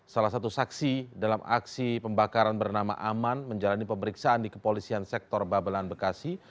salah satu saksi dalam aksi pembakaran bernama aman menjalani pemeriksaan di kepolisian sektor babelan bekasi